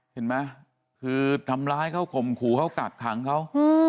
เห็นไหมคือทำร้ายเขาข่มขู่เขากักขังเขา